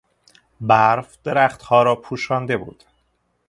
برف درختها را پوشانده بود.